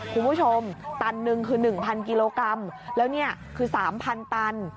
คุณผู้ชมตันหนึ่งคือหนึ่งพันกิโลกรัมแล้วเนี่ยคือสามพันตัน